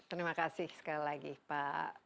terima kasih sekali lagi pak